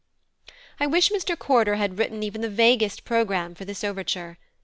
I wish Mr Corder had written even the vaguest programme for this overture.